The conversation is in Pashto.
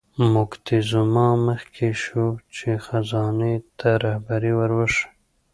موکتیزوما مخکې شو چې خزانې ته رهبري ور وښیي.